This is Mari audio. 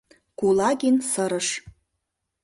— Кулагин сырыш.